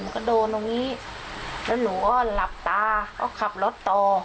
ก็โดนตรงนี้แล้วหนูอ้อนหลับตาก็ขับรถต่อ